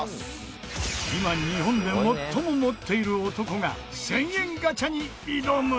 今、日本で最も持っている男が１０００円ガチャに挑む